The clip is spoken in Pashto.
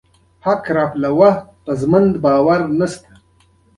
او خطري نه نۀ ويريږي